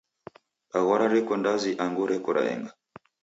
Daghora reko ndazi angu reko raenga?